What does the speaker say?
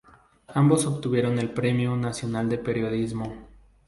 Ambos obtuvieron el Premio Nacional de Periodismo.